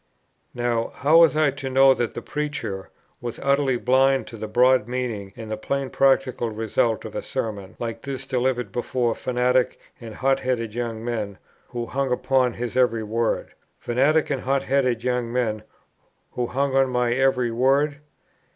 Now how was I to know that the preacher ... was utterly blind to the broad meaning and the plain practical result of a Sermon like this delivered before fanatic and hot headed young men, who hung upon his every word?" Fanatic and hot headed young men, who hung on my every word!